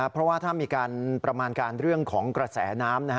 เพราะว่าถ้ามีการประมาณการเรื่องของกระแสน้ำ